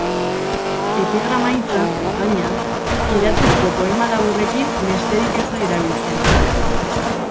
Epigrama hitza, baina, idatzizko poema laburrekin besterik ez da erabiltzen.